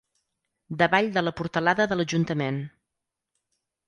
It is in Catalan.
Davall de la portalada de l'ajuntament.